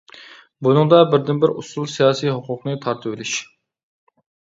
بۇنىڭدا بىردىنبىر ئۇسۇل سىياسىي ھوقۇقنى تارتىۋېلىش.